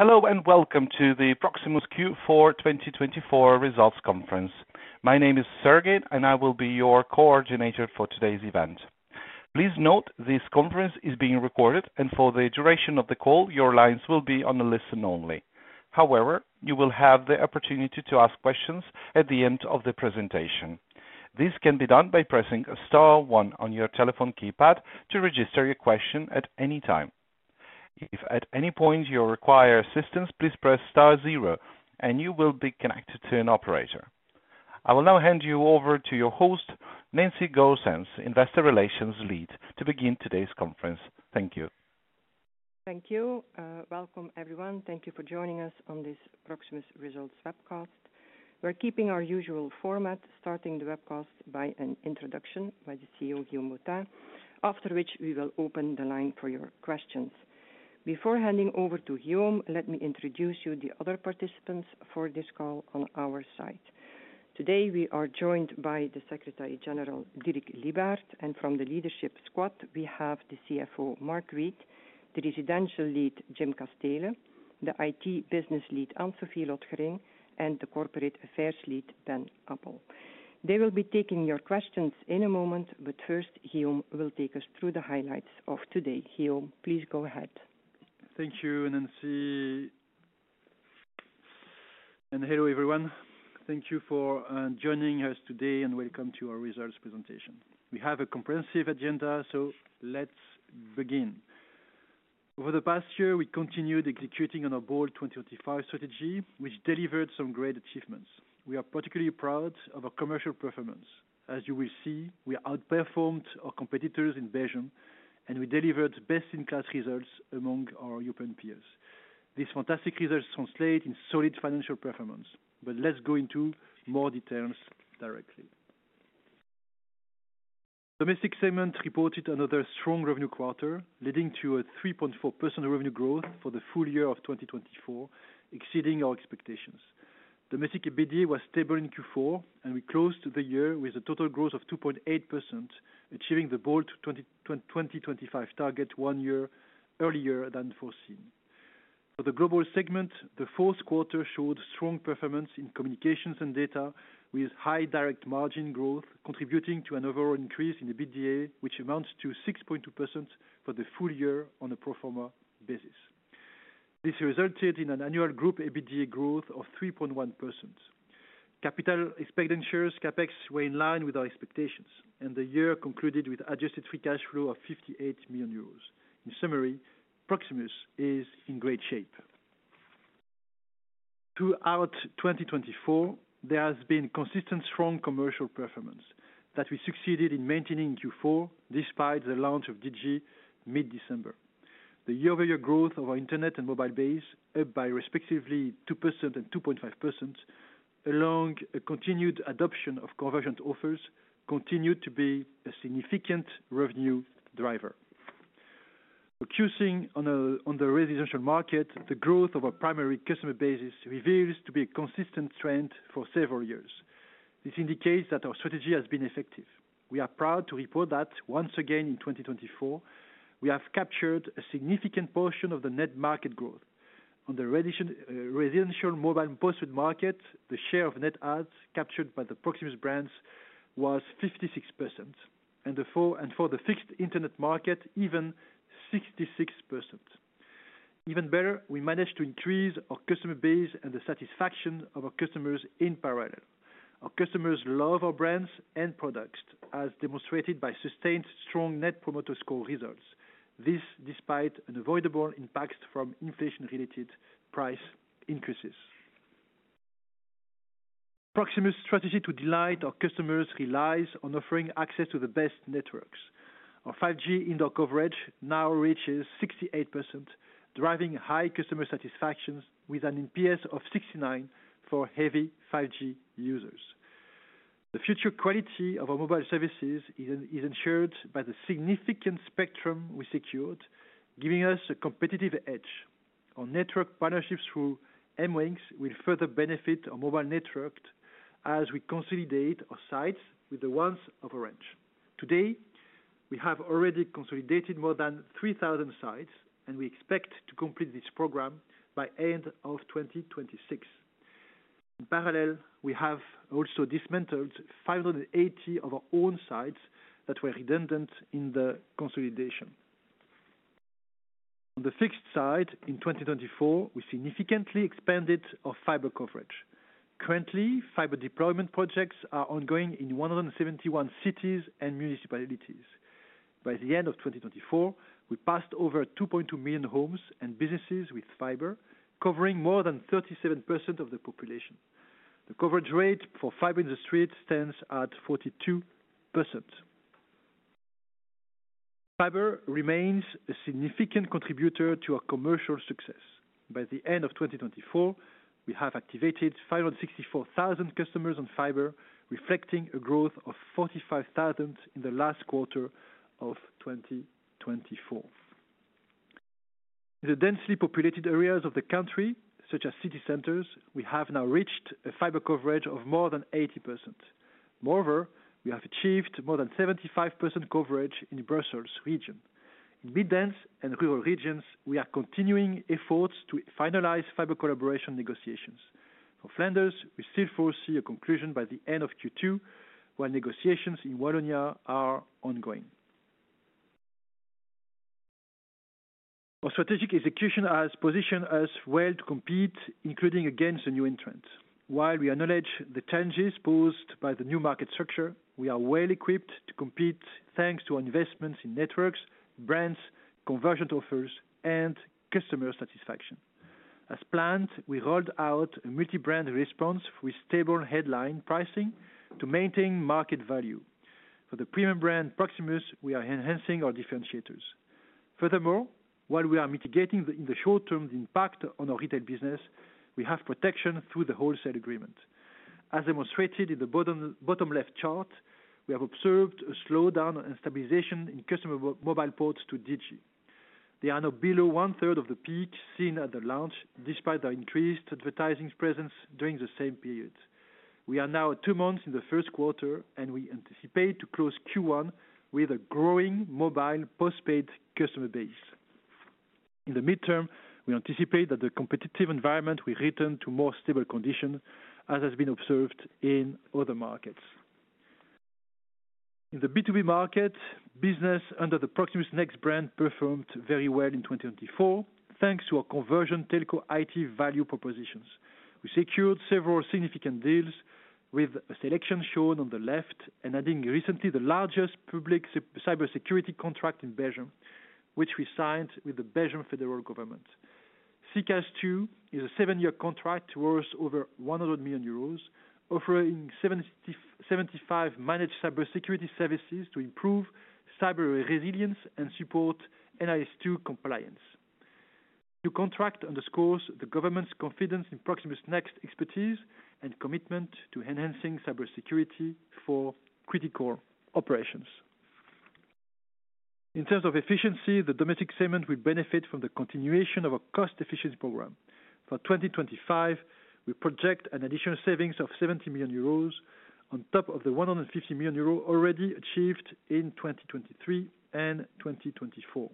Hello and welcome to the Proximus Q4 2024 results conference. My name is Sergey, and I will be your coordinator for today's event. Please note this conference is being recorded, and for the duration of the call, your lines will be on the listen only. However, you will have the opportunity to ask questions at the end of the presentation. This can be done by pressing star, one on your telephone keypad to register your question at any time. If at any point you require assistance, please press star, zero, and you will be connected to an operator. I will now hand you over to your host, Nancy Goossens, Investor Relations Lead, to begin today's conference. Thank you. Thank you. Welcome, everyone. Thank you for joining us on this Proximus Results Webcast. We're keeping our usual format, starting the webcast by an introduction by the CEO, Guillaume Boutin, after which we will open the line for your questions. Before handing over to Guillaume, let me introduce you to the other participants for this call on our side. Today, we are joined by the Secretary General, Dirk Lybaert, and from the leadership squad, we have the CFO, Mark Reid, the Residential Lead, Jim Casteele, the IT Business Lead, Anne-Sophie Lotgering, and the Corporate Affairs Lead, Ben Appel. They will be taking your questions in a moment, but first, Guillaume will take us through the highlights of today. Guillaume, please go ahead. Thank you, Nancy, and hello, everyone. Thank you for joining us today, and welcome to our results presentation. We have a comprehensive agenda, so let's begin. Over the past year, we continued executing on our Bold 2025 strategy, which delivered some great achievements. We are particularly proud of our commercial performance. As you will see, we outperformed our competitors in Belgium, and we delivered best-in-class results among our European peers. These fantastic results translate into solid financial performance, but let's go into more details directly. Domestic segment reported another strong revenue quarter, leading to a 3.4% revenue growth for the full year of 2024, exceeding our expectations. Domestic EBITDA was stable in Q4, and we closed the year with a total growth of 2.8%, achieving the Bold 2025 target one year earlier than foreseen. For the global segment, the fourth quarter showed strong performance in communications and data, with high direct margin growth contributing to an overall increase in EBITDA, which amounts to 6.2% for the full year on a Pro Forma Basis. This resulted in an annual group EBITDA growth of 3.1%. Capital expenditures, CapEx, were in line with our expectations, and the year concluded with adjusted free cash flow of 58 million euros. In summary, Proximus is in great shape. Throughout 2024, there has been consistent strong commercial performance that we succeeded in maintaining in Q4 despite the launch of Digi mid-December. The year-over-year growth of our internet and mobile base, up by respectively 2% and 2.5%, along with a continued adoption of convergent offers, continued to be a significant revenue driver. Focusing on the residential market, the growth of our primary customer base reveals to be a consistent trend for several years. This indicates that our strategy has been effective. We are proud to report that, once again in 2024, we have captured a significant portion of the net market growth. On the residential mobile postpaid market, the share of net adds captured by the Proximus brands was 56%, and for the fixed internet market, even 66%. Even better, we managed to increase our customer base and the satisfaction of our customers in parallel. Our customers love our brands and products, as demonstrated by sustained strong Net Promoter Score results. This despite unavoidable impacts from inflation-related price increases. Proximus' strategy to delight our customers relies on offering access to the best networks. Our 5G indoor coverage now reaches 68%, driving high customer satisfaction with an NPS of 69 for heavy 5G users. The future quality of our mobile services is ensured by the significant spectrum we secured, giving us a competitive edge. Our network partnerships through MWingz will further benefit our mobile network as we consolidate our sites with the ones of Orange. Today, we have already consolidated more than 3,000 sites, and we expect to complete this program by the end of 2026. In parallel, we have also dismantled 580 of our own sites that were redundant in the consolidation. On the fixed side, in 2024, we significantly expanded our fiber coverage. Currently, fiber deployment projects are ongoing in 171 cities and municipalities. By the end of 2024, we passed over 2.2 million homes and businesses with fiber, covering more than 37% of the population. The coverage rate for fiber in the street stands at 42%. Fiber remains a significant contributor to our commercial success. By the end of 2024, we have activated 564,000 customers on fiber, reflecting a growth of 45,000 in the last quarter of 2024. In the densely populated areas of the country, such as city centers, we have now reached a fiber coverage of more than 80%. Moreover, we have achieved more than 75% coverage in Brussels region. In mid-dense and rural regions, we are continuing efforts to finalize fiber collaboration negotiations. For Flanders, we still foresee a conclusion by the end of Q2, while negotiations in Wallonia are ongoing. Our strategic execution has positioned us well to compete, including against the new entrants. While we acknowledge the challenges posed by the new market structure, we are well equipped to compete thanks to our investments in networks, brands, convergent offers, and customer satisfaction. As planned, we rolled out a multi-brand response with stable headline pricing to maintain market value. For the premium brand Proximus, we are enhancing our differentiators. Furthermore, while we are mitigating in the short term the impact on our retail business, we have protection through the wholesale agreement. As demonstrated in the bottom left chart, we have observed a slowdown and stabilization in customer mobile ports to Digi. They are now below one-third of the peak seen at the launch, despite the increased advertising presence during the same period. We are now two months in the first quarter, and we anticipate to close Q1 with a growing mobile postpaid customer base. In the midterm, we anticipate that the competitive environment will return to more stable conditions, as has been observed in other markets. In the B2B market, business under the Proximus Next brand performed very well in 2024, thanks to our convergent telco IT value propositions. We secured several significant deals with a selection shown on the left and adding recently the largest public cybersecurity contract in Belgium, which we signed with the Belgian Federal Government. SECaaS2 is a seven-year contract worth over 100 million euros, offering 75 managed cybersecurity services to improve cyber resilience and support NIS2 compliance. The new contract underscores the government's confidence in Proximus Next expertise and commitment to enhancing cybersecurity for critical operations. In terms of efficiency, the domestic segment will benefit from the continuation of our cost efficiency program. For 2025, we project an additional savings of 70 million euros on top of the 150 million euros already achieved in 2023 and 2024.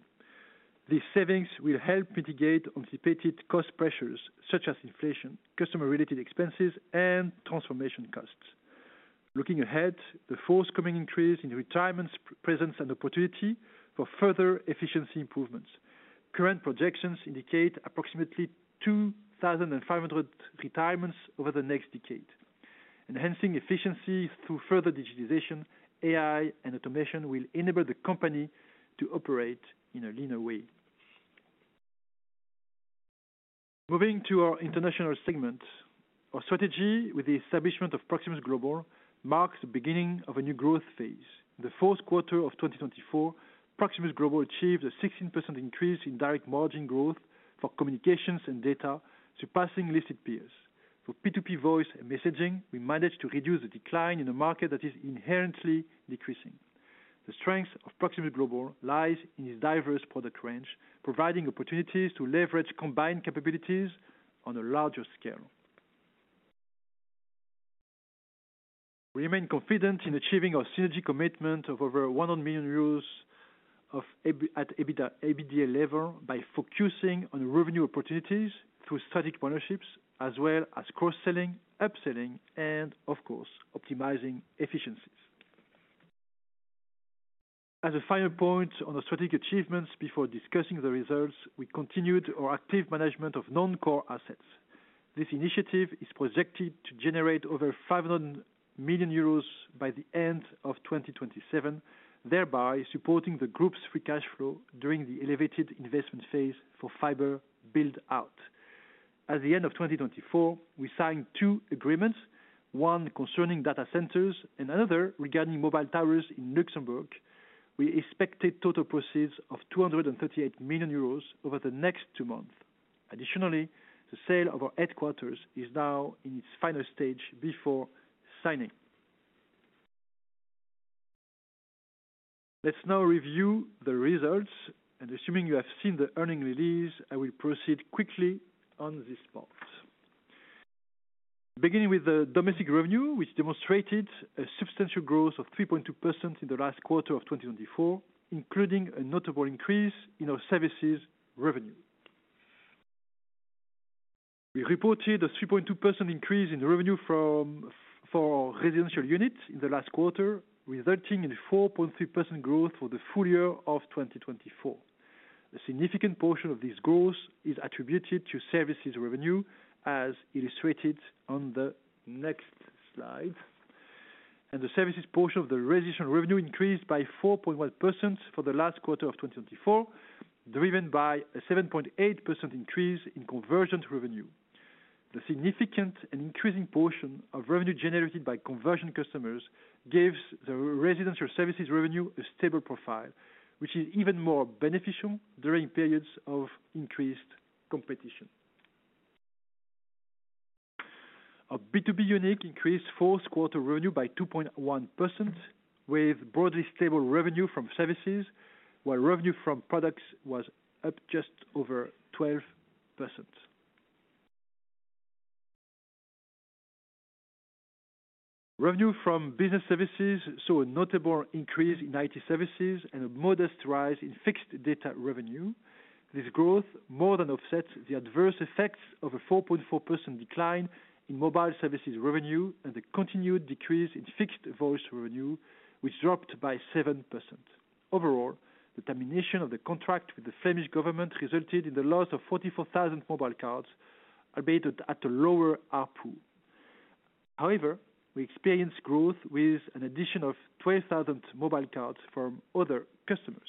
These savings will help mitigate anticipated cost pressures, such as inflation, customer-related expenses, and transformation costs. Looking ahead, the forthcoming increase in retirement presence and opportunity for further efficiency improvements. Current projections indicate approximately 2,500 retirements over the next decade. Enhancing efficiency through further digitization, AI, and automation will enable the company to operate in a leaner way. Moving to our international segment, our strategy with the establishment of Proximus Global marks the beginning of a new growth phase. In the fourth quarter of 2024, Proximus Global achieved a 16% increase in direct margin growth for communications and data, surpassing listed peers. For P2P voice and messaging, we managed to reduce the decline in a market that is inherently decreasing. The strength of Proximus Global lies in its diverse product range, providing opportunities to leverage combined capabilities on a larger scale. We remain confident in achieving our synergy commitment of over 100 million euros at EBITDA level by focusing on revenue opportunities through strategic partnerships, as well as cross-selling, upselling, and, of course, optimizing efficiencies. As a final point on our strategic achievements before discussing the results, we continued our active management of non-core assets. This initiative is projected to generate over 500 million euros by the end of 2027, thereby supporting the group's free cash flow during the elevated investment phase for fiber build-out. At the end of 2024, we signed two agreements, one concerning data centers and another regarding mobile towers in Luxembourg. We expected total proceeds of 238 million euros over the next two months. Additionally, the sale of our headquarters is now in its final stage before signing. Let's now review the results, and assuming you have seen the earnings release, I will proceed quickly on this part. Beginning with the domestic revenue, which demonstrated a substantial growth of 3.2% in the last quarter of 2024, including a notable increase in our services revenue. We reported a 3.2% increase in revenue for residential units in the last quarter, resulting in a 4.3% growth for the full year of 2024. A significant portion of this growth is attributed to services revenue, as illustrated on the next slide, and the services portion of the residential revenue increased by 4.1% for the last quarter of 2024, driven by a 7.8% increase in convergent revenue. The significant and increasing portion of revenue generated by convergent customers gives the residential services revenue a stable profile, which is even more beneficial during periods of increased competition. Our B2B unit increased fourth quarter revenue by 2.1%, with broadly stable revenue from services, while revenue from products was up just over 12%. Revenue from business services saw a notable increase in IT services and a modest rise in fixed data revenue. This growth more than offsets the adverse effects of a 4.4% decline in mobile services revenue and the continued decrease in fixed voice revenue, which dropped by 7%. Overall, the termination of the contract with the Flemish Government resulted in the loss of 44,000 mobile cards, albeit at a lower output. However, we experienced growth with an addition of 12,000 mobile cards from other customers.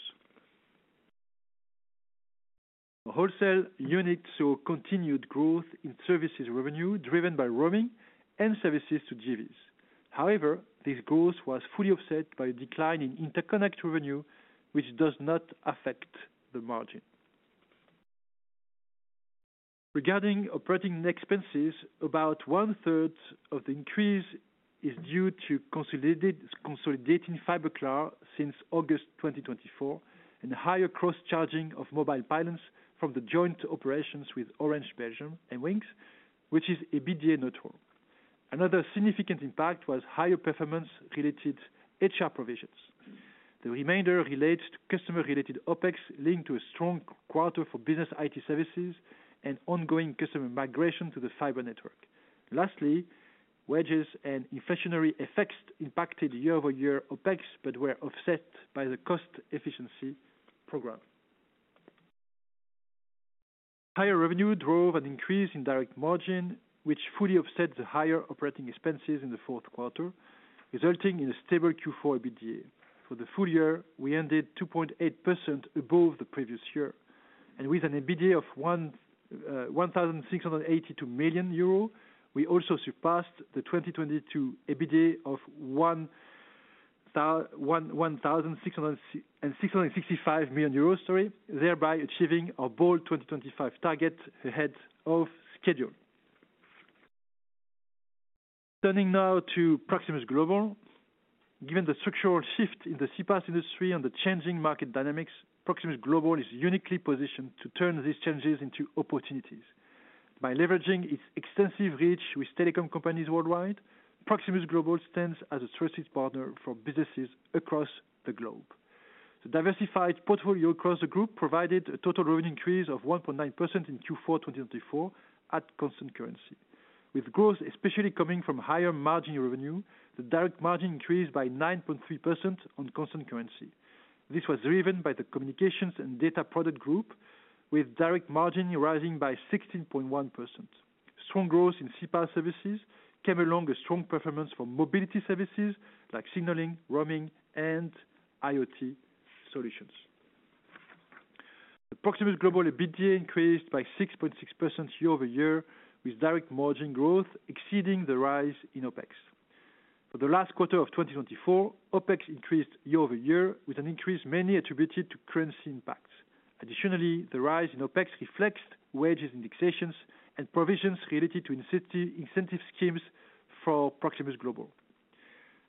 Our wholesale unit saw continued growth in services revenue driven by roaming and services to JVs. However, this growth was fully offset by a decline in interconnect revenue, which does not affect the margin. Regarding operating expenses, about 1/3 of the increase is due to consolidating Fiberklaar since August 2024 and higher cross-charging of mobile pilots from the joint operations with Orange Belgium and MWingz, which is EBITDA neutral. Another significant impact was higher performance-related HR provisions. The remainder relates to customer-related OpEx, leading to a strong quarter for business IT services and ongoing customer migration to the fiber network. Lastly, wages and inflationary effects impacted year-over-year OpEx, but were offset by the cost efficiency program. Higher revenue drove an increase in direct margin, which fully offset the higher operating expenses in the fourth quarter, resulting in a stable Q4 EBITDA. For the full year, we ended 2.8% above the previous year. And with an EBITDA of 1,682 million euro, we also surpassed the 2022 EBITDA of 1,665 million euros, thereby achieving our Bold 2025 target ahead of schedule. Turning now to Proximus Global. Given the structural shift in the CPaaS industry and the changing market dynamics, Proximus Global is uniquely positioned to turn these changes into opportunities. By leveraging its extensive reach with telecom companies worldwide, Proximus Global stands as a trusted partner for businesses across the globe. The diversified portfolio across the group provided a total revenue increase of 1.9% in Q4 2024 at constant currency. With growth especially coming from higher margin revenue, the direct margin increased by 9.3% on constant currency. This was driven by the communications and data product group, with direct margin rising by 16.1%. Strong growth in CPaaS services came along with strong performance for mobility services like signaling, roaming, and IoT solutions. The Proximus Global EBITDA increased by 6.6% year-over-year, with direct margin growth exceeding the rise in OpEx. For the last quarter of 2024, OpEx increased year-over-year, with an increase mainly attributed to currency impacts. Additionally, the rise in OpEx reflects wages indexations and provisions related to incentive schemes for Proximus Global.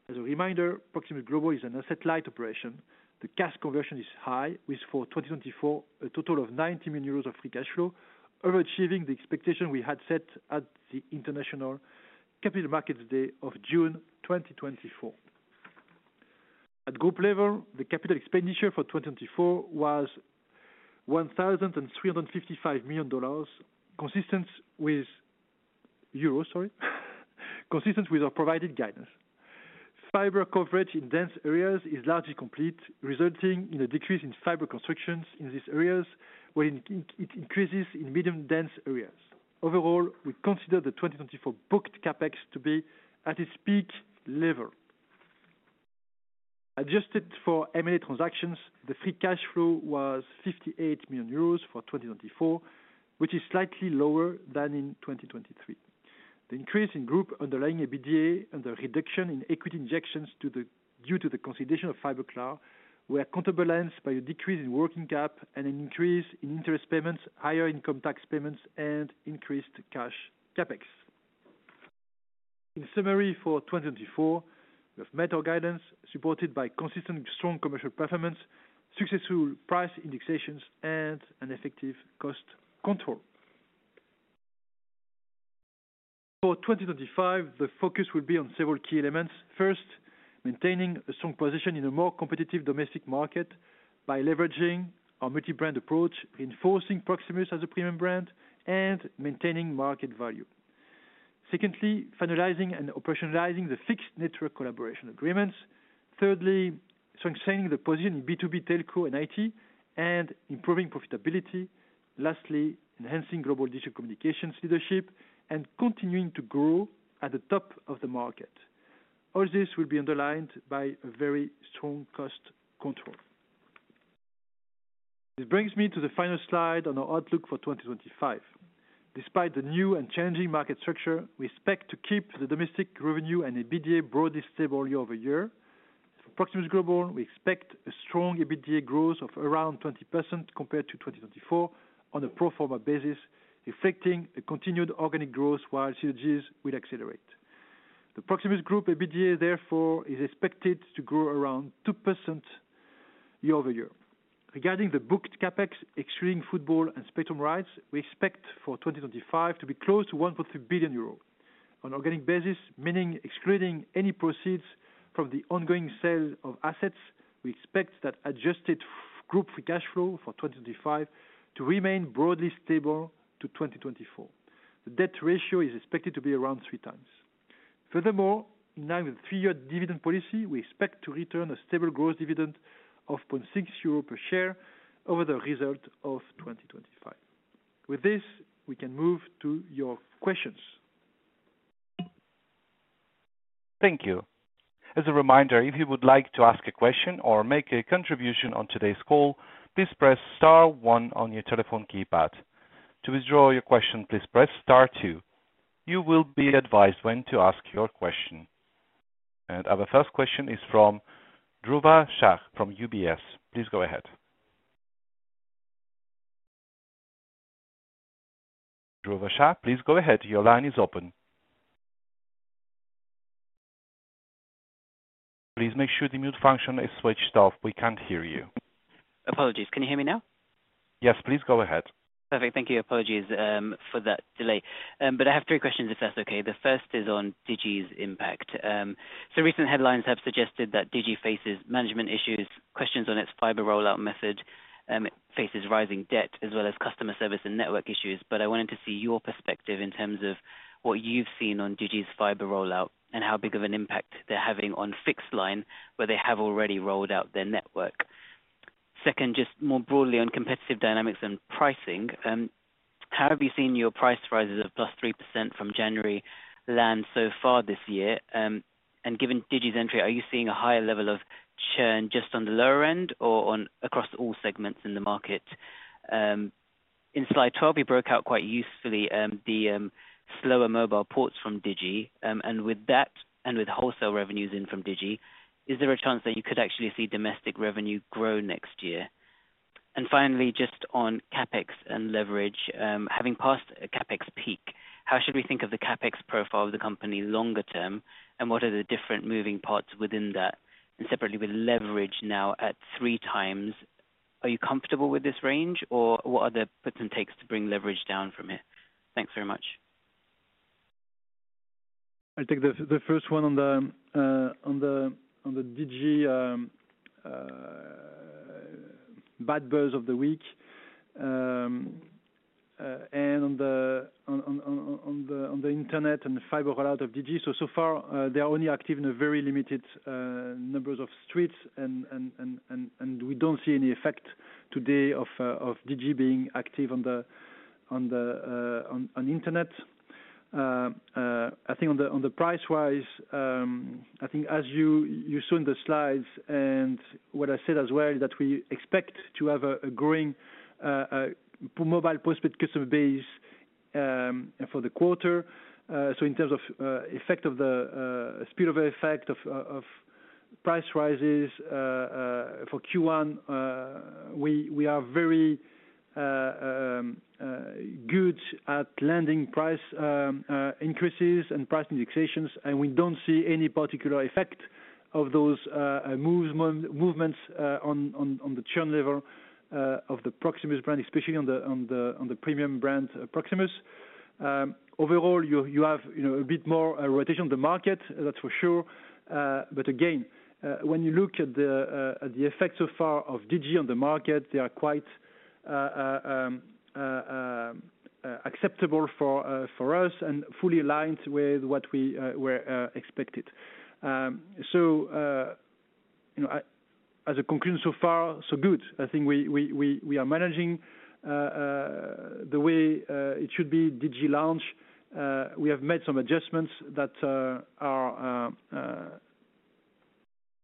As a reminder, Proximus Global is an asset-light operation. The cash conversion is high, with for 2024, a total of 90 million euros of free cash flow, overachieving the expectation we had set at the International Capital Markets Day of June 2024. At group level, the capital expenditure for 2024 was EUR 1,355 million, consistent with euros, sorry, consistent with our provided guidance. Fiber coverage in dense areas is largely complete, resulting in a decrease in fiber constructions in these areas, while it increases in medium-dense areas. Overall, we consider the 2024 booked CapEx to be at its peak level. Adjusted for M&A transactions, the free cash flow was 58 million euros for 2024, which is slightly lower than in 2023. The increase in group underlying EBITDA and the reduction in equity injections due to the consolidation of Fiberklaar were complemented by a decrease in working cap and an increase in interest payments, higher income tax payments, and increased cash CapEx. In summary for 2024, we have met our guidance, supported by consistently strong commercial performance, successful price indexations, and an effective cost control. For 2025, the focus will be on several key elements. First, maintaining a strong position in a more competitive domestic market by leveraging our multi-brand approach, reinforcing Proximus as a premium brand and maintaining market value. Secondly, finalizing and operationalizing the fixed network collaboration agreements. Thirdly, strengthening the position in B2B telco and IT and improving profitability. Lastly, enhancing global digital communications leadership and continuing to grow at the top of the market. All this will be underlined by a very strong cost control. This brings me to the final slide on our outlook for 2025. Despite the new and changing market structure, we expect to keep the domestic revenue and EBITDA broadly stable year-over-year. For Proximus Global, we expect a strong EBITDA growth of around 20% compared to 2024 on a pro forma basis, reflecting a continued organic growth while synergies will accelerate. The Proximus Group EBITDA, therefore, is expected to grow around 2% year-over-year. Regarding the booked CapEx excluding football and spectrum rights, we expect for 2025 to be close to 1.3 billion euros on an organic basis, meaning excluding any proceeds from the ongoing sale of assets. We expect that adjusted group free cash flow for 2025 to remain broadly stable to 2024. The debt ratio is expected to be around three times. Furthermore, in line with the three-year dividend policy, we expect to return a stable gross dividend of 0.6 euro per share over the result of 2025. With this, we can move to your questions. Thank you. As a reminder, if you would like to ask a question or make a contribution on today's call, please press Star 1 on your telephone keypad. To withdraw your question, please press star, two. You will be advised when to ask your question. And our first question is from Dhruva Shah from UBS. Please go ahead. Dhruva Shah, please go ahead. Your line is open. Please make sure the mute function is switched off. We can't hear you. Apologies. Can you hear me now? Yes, please go ahead. Perfect. Thank you. Apologies for that delay. But I have three questions, if that's okay. The first is on Digi's impact. Some recent headlines have suggested that Digi faces management issues, questions on its fiber rollout method, faces rising debt, as well as customer service and network issues. But I wanted to see your perspective in terms of what you've seen on Digi's fiber rollout and how big of an impact they're having on fixed line, where they have already rolled out their network. Second, just more broadly on competitive dynamics and pricing. How have you seen your price rises of plus 3% from January land so far this year? And given Digi's entry, are you seeing a higher level of churn just on the lower end or across all segments in the market? In slide 12, you broke out quite usefully the slower mobile ports from Digi. And with that, and with wholesale revenues in from Digi, is there a chance that you could actually see domestic revenue grow next year? And finally, just on CapEx and leverage, having passed a CapEx peak, how should we think of the CapEx profile of the company longer term? And what are the different moving parts within that? And separately, with leverage now at three times, are you comfortable with this range, or what are the puts and takes to bring leverage down from it? Thanks very much. I think the first one on the Digi bad buzz of the week and on the internet and fiber rollout of Digi. So, so far, they are only active in a very limited number of streets, and we don't see any effect today of Digi being active on the internet. I think on the price-wise, I think as you saw in the slides, and what I said as well, that we expect to have a growing mobile postpaid customer base for the quarter. In terms of the effect of the speed of effect of price rises for Q1, we are very good at landing price increases and price indexations, and we don't see any particular effect of those movements on the churn level of the Proximus brand, especially on the premium brand Proximus. Overall, you have a bit more rotation of the market, that's for sure. But again, when you look at the effect so far of Digi on the market, they are quite acceptable for us and fully aligned with what we were expected. As a conclusion so far, so good. I think we are managing the way it should be, Digi launch. We have made some adjustments that are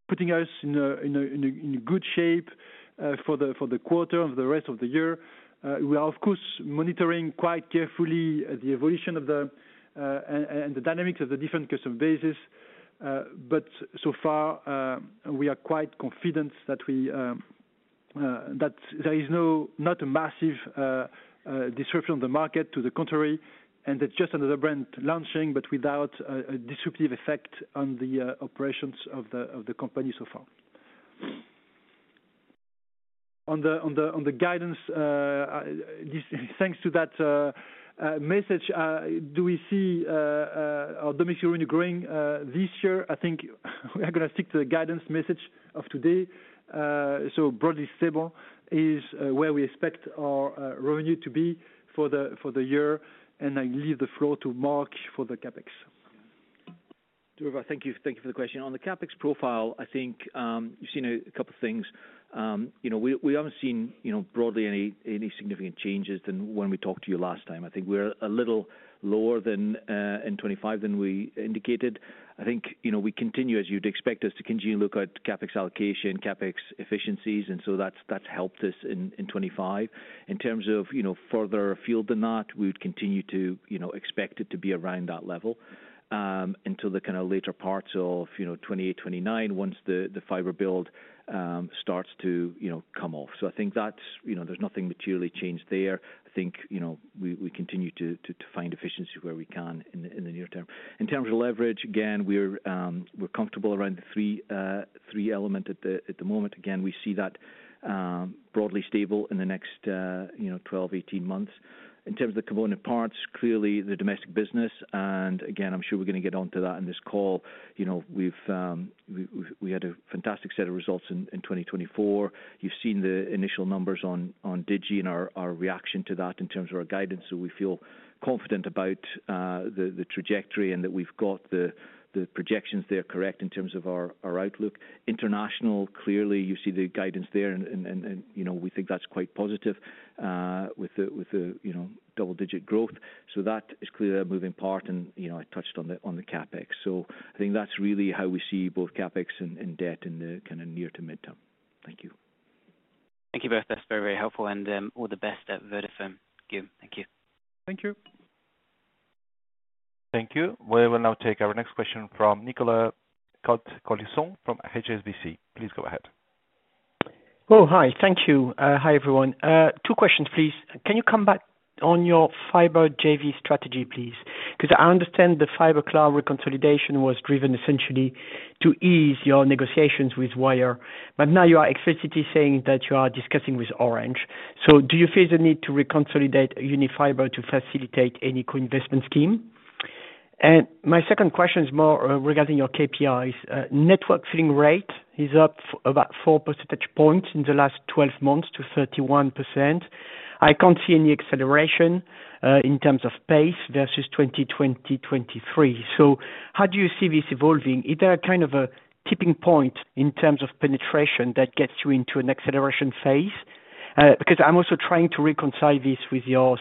putting us in good shape for the quarter and for the rest of the year. We are, of course, monitoring quite carefully the evolution and the dynamics of the different customer bases, but so far, we are quite confident that there is not a massive disruption of the market. To the contrary, it's just another brand launching, but without a disruptive effect on the operations of the company so far. On the guidance, thanks to that message, do we see our domestic revenue growing this year? I think we are going to stick to the guidance message of today, so broadly stable is where we expect our revenue to be for the year, and I leave the floor to Mark for the CapEx. Dhruva, thank you for the question. On the CapEx profile, I think you've seen a couple of things. We haven't seen broadly any significant changes from when we talked to you last time. I think we're a little lower than in 2025 than we indicated. I think we continue, as you'd expect us to continue to look at CapEx allocation, CapEx efficiencies, and so that's helped us in 2025. In terms of further afield than that, we would continue to expect it to be around that level until the kind of later parts of 2028, 2029, once the fiber build starts to come off. So, I think there's nothing materially changed there. I think we continue to find efficiency where we can in the near term. In terms of leverage, again, we're comfortable around the three elements at the moment. Again, we see that broadly stable in the next 12-18 months. In terms of the component parts, clearly the domestic business, and again, I'm sure we're going to get onto that in this call. We had a fantastic set of results in 2024. You've seen the initial numbers on Digi and our reaction to that in terms of our guidance. So, we feel confident about the trajectory and that we've got the projections there correct in terms of our outlook. International, clearly you see the guidance there, and we think that's quite positive with the double-digit growth. So, that is clearly a moving part, and I touched on the CapEx. So, I think that's really how we see both CapEx and debt in the kind of near to midterm. Thank you. Thank you both. That's very, very helpful, and all the best at the firm, Guillaume. Thank you. Thank you. Thank you. We will now take our next question from Nicolas Cote-Collison from HSBC. Please go ahead. Oh, hi. Thank you. Hi, everyone. Two questions, please. Can you come back on your fiber JV strategy, please? Because I understand the Fiberklaar reconciliation was driven essentially to ease your negotiations with Wyre. But now you are explicitly saying that you are discussing with Orange. So, do you feel the need to reconcile Unifiber to facilitate any co-investment scheme? And my second question is more regarding your KPIs. Network filling rate is up about four percentage points in the last 12 months to 31%. I can't see any acceleration in terms of pace versus 2020, 2023. So, how do you see this evolving? Is there a kind of a tipping point in terms of penetration that gets you into an acceleration phase? Because I'm also trying to reconcile this with your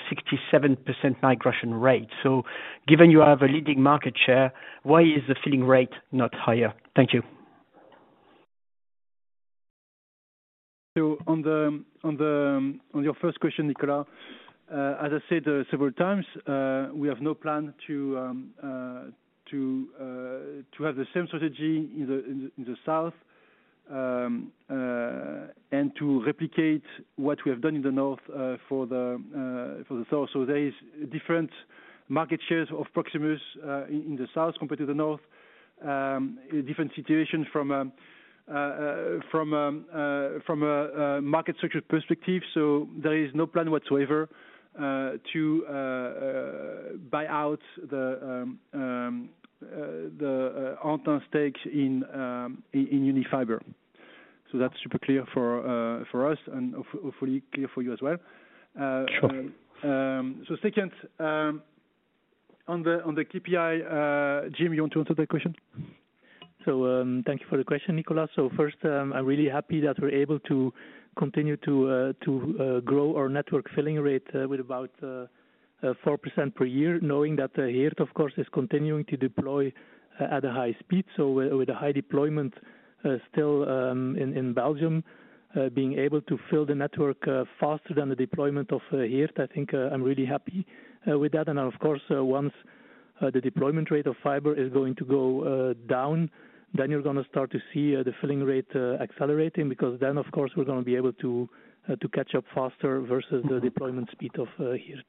67% migration rate. So, given you have a leading market share, why is the filling rate not higher? Thank you. So, on your first question, Nicolas, as I said several times, we have no plan to have the same strategy in the south and to replicate what we have done in the north for the south. So, there is different market shares of Proximus in the south compared to the north, different situations from a market structure perspective. So, there is no plan whatsoever to buy out the entrant stake in Unifiber. So, that's super clear for us and hopefully clear for you as well. Sure. So, second, on the KPI, Guillaume, you want to answer that question? So, thank you for the question, Nicolas. So, first, I'm really happy that we're able to continue to grow our network filling rate with about 4% per year, knowing that Wyre, of course, is continuing to deploy at a high speed. With a high deployment still in Belgium, being able to fill the network faster than the deployment of Wyre, I think I'm really happy with that. And of course, once the deployment rate of fiber is going to go down, then you're going to start to see the filling rate accelerating because then, of course, we're going to be able to catch up faster versus the deployment speed of Wyre.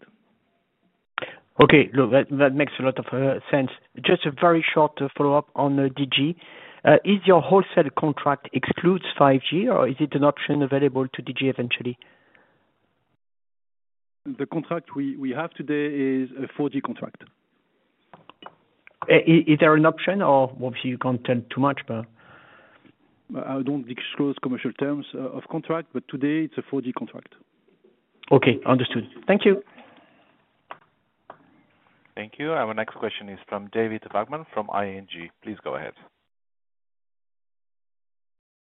Okay. Look, that makes a lot of sense. Just a very short follow-up on Digi. Does your wholesale contract exclude 5G, or is it an option available to Digi eventually? The contract we have today is a 4G contract. Is there an option, or obviously, you can't tell too much, but? I don't disclose commercial terms of contract, but today it's a 4G contract. Okay. Understood. Thank you. Thank you. Our next question is from David Vagman from ING. Please go ahead.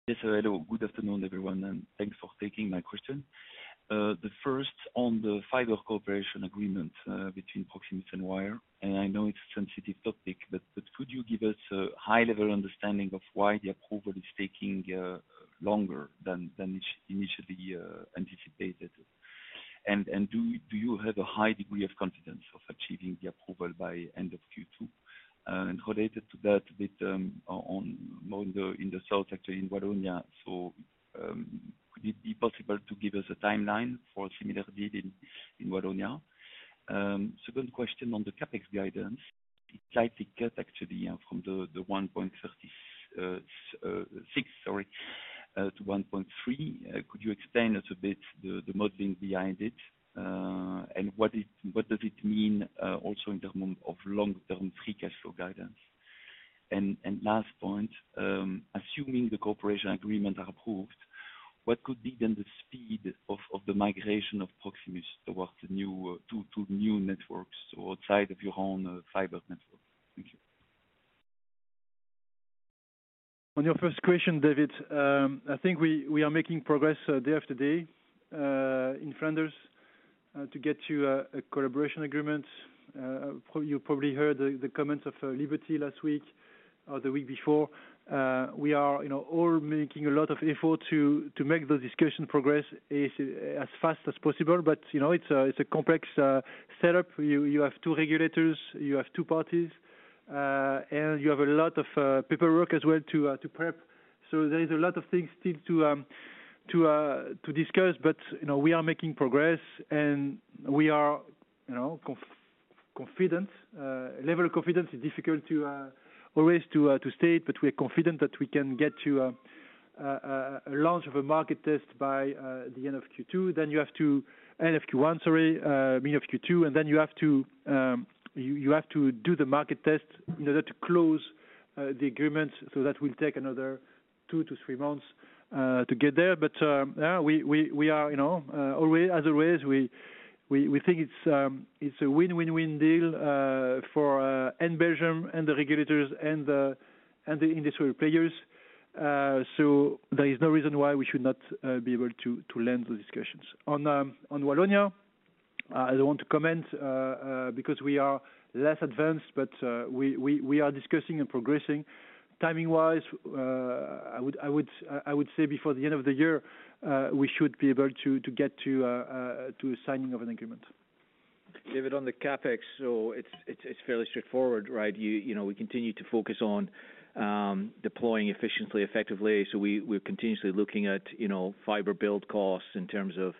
Yes, hello. Good afternoon, everyone, and thanks for taking my question. The first on the fiber cooperation agreement between Proximus and Wyre. And I know it's a sensitive topic, but could you give us a high-level understanding of why the approval is taking longer than initially anticipated? And do you have a high degree of confidence of achieving the approval by end of Q2? And related to that, a bit more in the south, actually, in Wallonia. So, would it be possible to give us a timeline for a similar deal in Wallonia? Second question on the CapEx guidance. It slightly cut, actually, from the 1.36, sorry, to 1.3. Could you explain a bit the modeling behind it, and what does it mean also in terms of long-term free cash flow guidance? Last point, assuming the cooperation agreements are approved, what could be then the speed of the migration of Proximus towards the new two new networks outside of your own fiber network? Thank you. On your first question, David, I think we are making progress day after day in Flanders to get to a collaboration agreement. You probably heard the comments of Liberty last week or the week before. We are all making a lot of effort to make the discussion progress as fast as possible. But it's a complex setup. You have two regulators, you have two parties, and you have a lot of paperwork as well to prep. So, there is a lot of things still to discuss, but we are making progress, and we are confident. level of confidence is difficult always to state, but we are confident that we can get to a launch of a market test by the end of Q2. Then you have the end of Q1, sorry, I mean end of Q2, and then you have to do the market test in order to close the agreement. So, that will take another two to three months to get there. But we are, as always, we think it's a win-win-win deal for both Belgium and the regulators and the industry players. So, there is no reason why we should not be able to land the discussions. On Wallonia, I don't want to comment because we are less advanced, but we are discussing and progressing. Timing-wise, I would say before the end of the year, we should be able to get to a signing of an agreement. David, on the CapEx, so it's fairly straightforward, right? We continue to focus on deploying efficiently, effectively. So, we're continuously looking at fiber build costs in terms of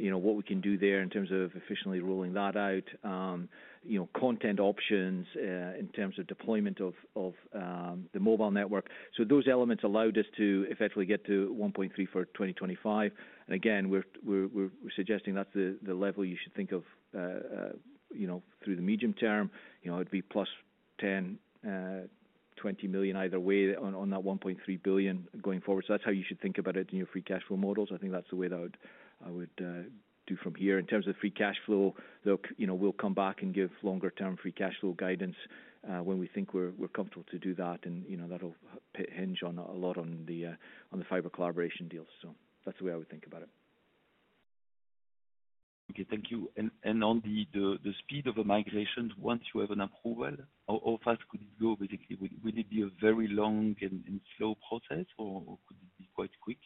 what we can do there in terms of efficiently rolling that out, content options in terms of deployment of the mobile network. So, those elements allowed us to effectively get to 1.3 billion for 2025. And again, we're suggesting that's the level you should think of through the medium term. It would be plus 10-20 million either way on that 1.3 billion going forward. So, that's how you should think about it in your free cash flow models. I think that's the way that I would do from here. In terms of free cash flow, we'll come back and give longer-term free cash flow guidance when we think we're comfortable to do that, and that'll hinge a lot on the fiber collaboration deals. So, that's the way I would think about it. Okay. Thank you. And on the speed of the migration, once you have an approval, how fast could it go? Basically, would it be a very long and slow process, or could it be quite quick?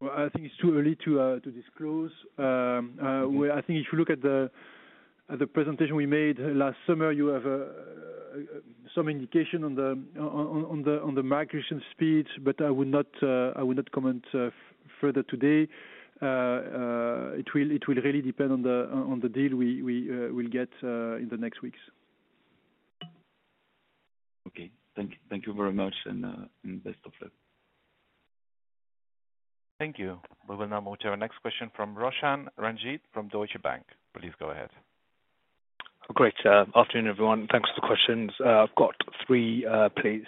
Well, I think it's too early to disclose. I think if you look at the presentation we made last summer, you have some indication on the migration speeds, but I would not comment further today. It will really depend on the deal we will get in the next weeks. Okay. Thank you very much, and best of luck. Thank you. We will now move to our next question from Roshan Ranjit from Deutsche Bank. Please go ahead. Great. Afternoon, everyone. Thanks for the questions. I've got three questions.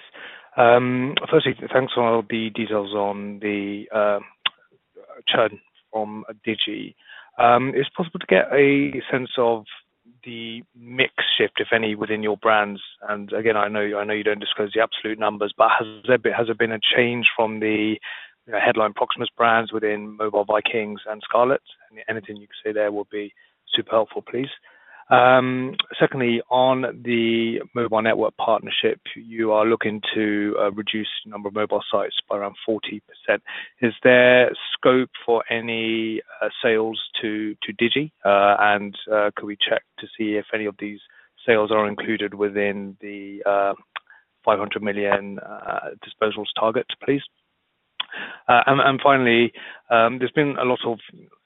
Firstly, thanks for all the details on the churn from Digi. Is it possible to get a sense of the mix shift, if any, within your brands? And again, I know you don't disclose the absolute numbers, but has there been a change from the headline Proximus brands within Mobile Vikings and Scarlet? Anything you can say there would be super helpful, please. Secondly, on the mobile network partnership, you are looking to reduce the number of mobile sites by around 40%. Is there scope for any sales to Digi? And could we check to see if any of these sales are included within the 500 million disposals target, please? And finally, there's been a lot of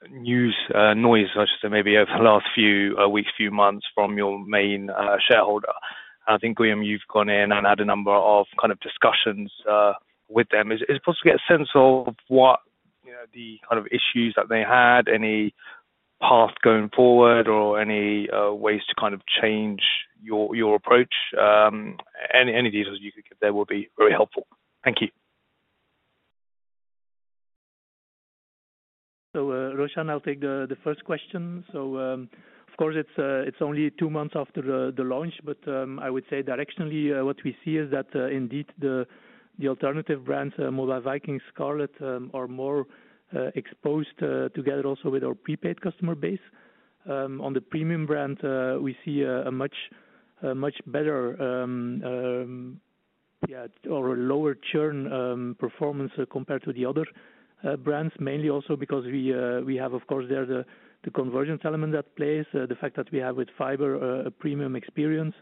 news noise, I should say, maybe over the last few weeks, few months from your main shareholder. And I think, Guillaume, you've gone in and had a number of kind of discussions with them. Is it possible to get a sense of what the kind of issues that they had, any path going forward, or any ways to kind of change your approach? Any details you could give there would be very helpful. Thank you. So, Roshan, I'll take the first question. So, of course, it's only two months after the launch, but I would say directionally, what we see is that indeed the alternative brands, Mobile Vikings, Scarlet, are more exposed together also with our prepaid customer base. On the premium brand, we see a much better, yeah, or a lower churn performance compared to the other brands, mainly also because we have, of course, there the convergence element at place, the fact that we have with fiber a premium experience.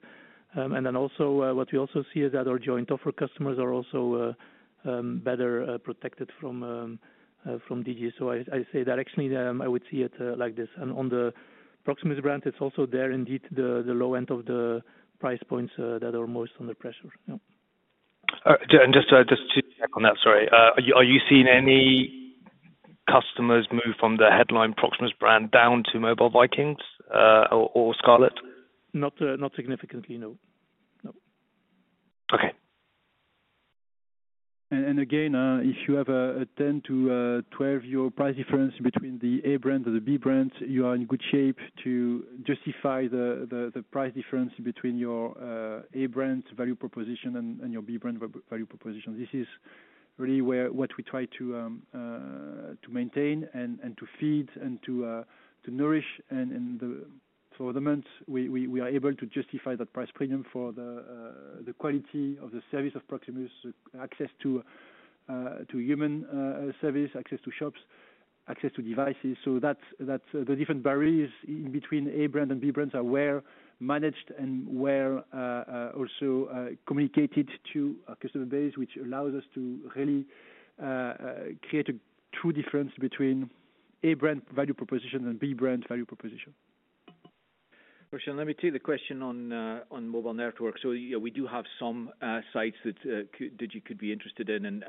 And then also what we also see is that our joint offer customers are also better protected from Digi. So, I say directionally, I would see it like this. And on the Proximus brand, it's also there indeed the low end of the price points that are most under pressure. And just to check on that, sorry, are you seeing any customers move from the headline Proximus brand down to Mobile Vikings or Scarlet? Not significantly, no. No. Okay. Again, if you have a 10- to 12-year price difference between the A brand and the B brand, you are in good shape to justify the price difference between your A brand value proposition and your B brand value proposition. This is really what we try to maintain and to feed and to nourish. For the months, we are able to justify that price premium for the quality of the service of Proximus, access to human service, access to shops, access to devices. The different barriers in between A brand and B brands are well managed and well also communicated to our customer base, which allows us to really create a true difference between A brand value proposition and B brand value proposition. Roshan, let me take the question on mobile network. So, yeah, we do have some sites that Digi could be interested in,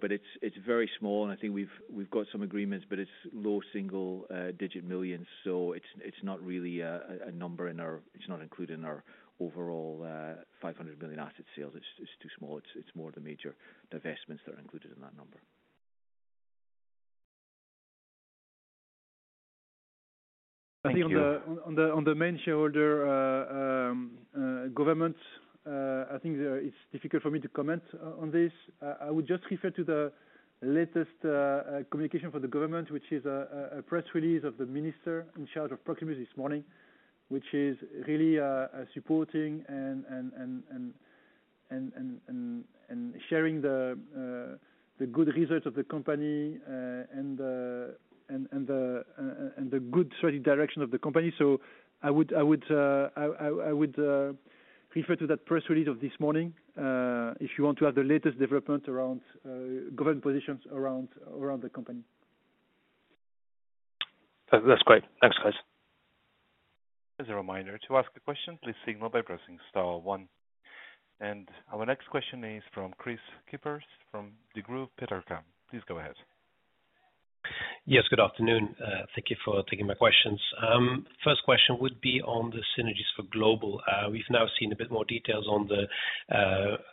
but it's very small. I think we've got some agreements, but it's low single-digit millions. So, it's not really a number. It's not included in our overall 500 million asset sales. It's too small. It's more of the major divestments that are included in that number. I think on the main shareholder government, it's difficult for me to comment on this. I would just refer to the latest communication for the government, which is a press release of the minister in charge of Proximus this morning, which is really supporting and sharing the good results of the company and the good strategic direction of the company. I would refer to that press release of this morning if you want to have the latest developments around government positions around the company. That's great. Thanks, guys. As a reminder, to ask a question, please signal by pressing star one. And our next question is from Kris Kippers from Degroof Petercam. Please go ahead. Yes, good afternoon. Thank you for taking my questions. First question would be on the synergies for global. We've now seen a bit more details on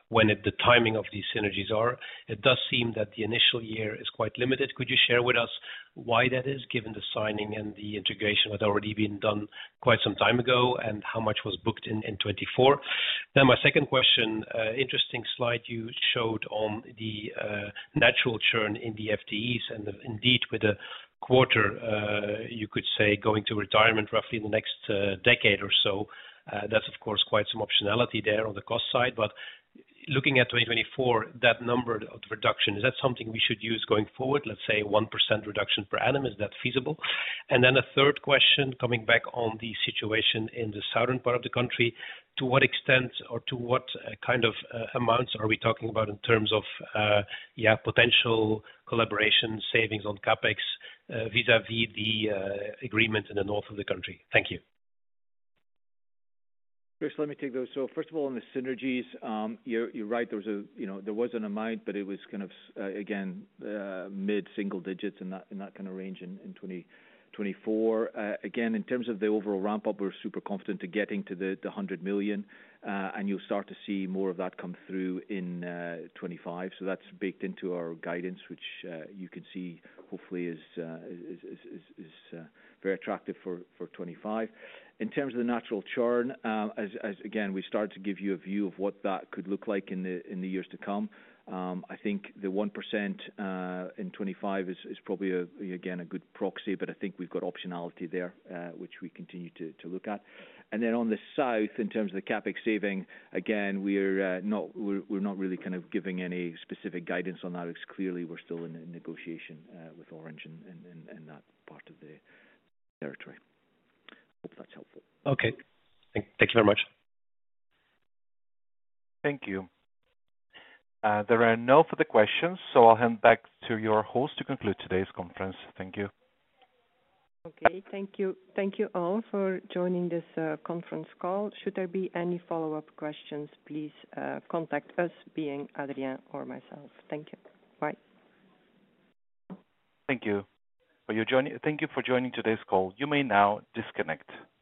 when the timing of these synergies are. It does seem that the initial year is quite limited. Could you share with us why that is, given the signing and the integration that had already been done quite some time ago and how much was booked in 2024? Then my second question, interesting slide you showed on the natural churn in the FTEs. And indeed, with a quarter, you could say, going to retirement roughly in the next decade or so, that's, of course, quite some optionality there on the cost side. But looking at 2024, that number of reduction, is that something we should use going forward? Let's say 1% reduction per annum. Is that feasible? And then a third question coming back on the situation in the southern part of the country. To what extent or to what kind of amounts are we talking about in terms of, yeah, potential collaboration savings on CapEx vis-à-vis the agreement in the north of the country? Thank you. Chris, let me take those. So, first of all, on the synergies, you're right. There wasn't a mind, but it was kind of, again, mid-single digits in that kind of range in 2024. Again, in terms of the overall ramp-up, we're super confident to getting to the 100 million, and you'll start to see more of that come through in 2025. So, that's baked into our guidance, which you can see, hopefully, is very attractive for 2025. In terms of the natural churn, as again, we started to give you a view of what that could look like in the years to come, I think the 1% in 2025 is probably, again, a good proxy, but I think we've got optionality there, which we continue to look at. And then on the south, in terms of the CapEx saving, again, we're not really kind of giving any specific guidance on that. Clearly, we're still in negotiation with Orange in that part of the territory. Hope that's helpful. Okay. Thank you very much. Thank you. There are no further questions, so I'll hand back to your host to conclude today's conference. Thank you. Okay. Thank you. Thank you all for joining this conference call. Should there be any follow-up questions, please contact either Adrien or myself. Thank you. Bye. Thank you. Thank you for joining today's call. You may now disconnect.